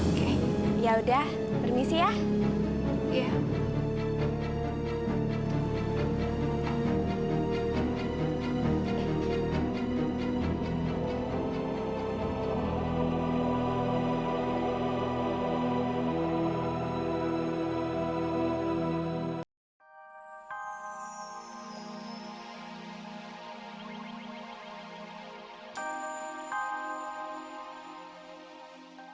oke yaudah permisi ya